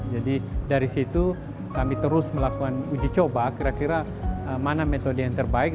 jadi dari situ kami terus melakukan uji coba kira kira mana metode yang terbaik